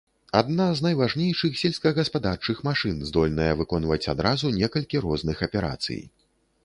Адна з найважнейшых сельскагаспадарчых машын, здольная выконваць адразу некалькі розных аперацый.